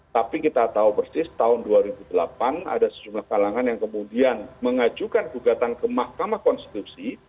tapi kita tahu persis tahun dua ribu delapan ada sejumlah kalangan yang kemudian mengajukan gugatan ke mahkamah konstitusi